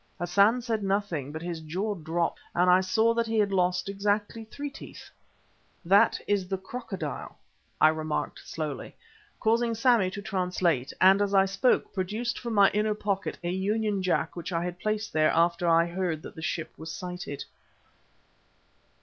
Hassan said nothing, but his jaw dropped, and I saw that he had lost exactly three teeth. "That is the Crocodile," I remarked slowly, causing Sammy to translate, and as I spoke, produced from my inner pocket a Union Jack which I had placed there after I heard that the ship was sighted.